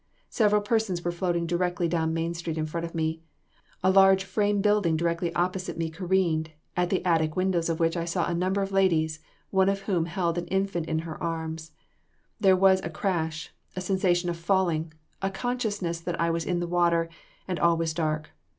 Several persons were floating directly down Main street, in front of me; a large frame building directly opposite me careened, at the attic windows of which I saw a number of ladies, one of whom held an infant in her arms; there was a crash, a sensation of falling, a consciousness that I was in the water, and all was dark.